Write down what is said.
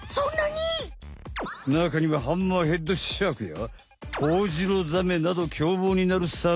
なかにはハンマーヘッドシャークやホホジロザメなどきょうぼうになるサメも。